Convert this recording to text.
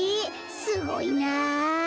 すごいな。